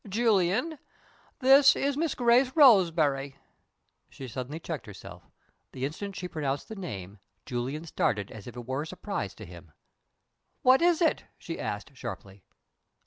Julian, this is Miss Grace Roseberry " She suddenly checked herself. The instant she pronounced the name, Julian started as if it was a surprise to him. "What is it?" she asked, sharply.